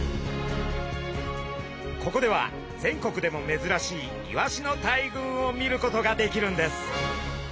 ここでは全国でもめずらしいイワシの大群を見ることができるんです。